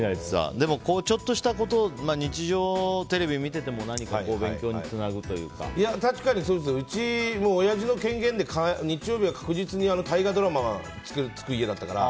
でも、ちょっとしたこと日常でテレビを見てても確かにうちも親父の権限で日曜日は確実に大河ドラマがつく家だったから。